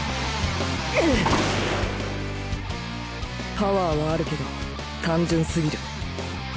パワーはあるけど単純すぎる。